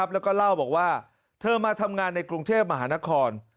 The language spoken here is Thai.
แล้วก็เล่าบอกว่าเธอมาทำงานในกรุงเทพมหานคร